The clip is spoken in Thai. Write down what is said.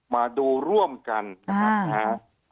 มาดูร่วมกันนะครับ